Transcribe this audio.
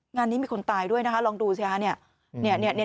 งานนี้มีคนตายด้วยนะคะลองดูสิฮะ